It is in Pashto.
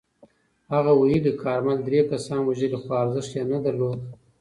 هغه ویلي، کارمل درې کسان وژلي خو ارزښت نه یې درلود.